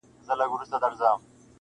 د طبیب عقل کوټه سو مسیحا څخه لار ورکه-